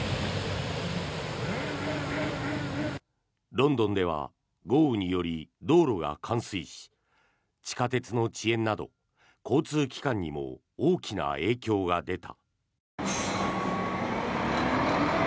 ロンドンでは豪雨により道路が冠水し地下鉄の遅延など交通機関にも大きな影響が出た。